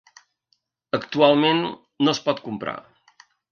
Actualment no es pot comprar.